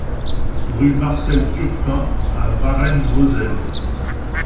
Rue Marcel Turpin à Varennes-Vauzelles